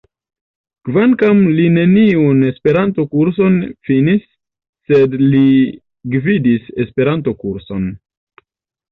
Kvankam li neniun E-kurson finis, sed li gvidis E-kurson.